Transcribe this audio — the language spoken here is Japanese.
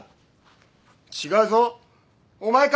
違うぞお前か？